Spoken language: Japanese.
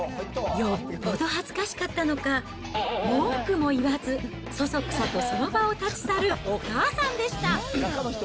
よっぽど恥ずかしかったのか、文句も言わず、そそくさとその場を立ち去るお母さんでした。